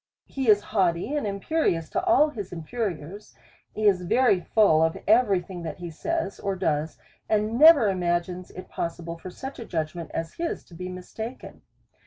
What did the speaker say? He is haughty and imperious to all his inferiors, is very full of every thing that he says or does, and never ima gines it possible for such a judgment as his to be mis taken.